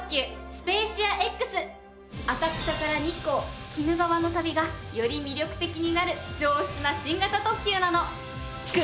浅草から日光・鬼怒川の旅がより魅力的になる上質な新型特急なの。